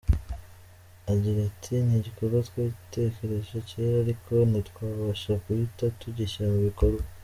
Agira ati “Ni igikorwa twatekereje cyera ariko ntitwabasha guhita tugishyira mu bikorwa.